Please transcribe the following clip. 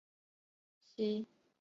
西班牙是伊比利亚半岛的罗马名。